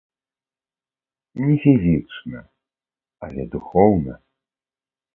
Не фізічна, але духоўна.